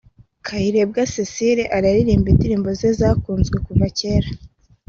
Kayirebwa Cecile araririmba indirimbo ze zakunzwe kuva kera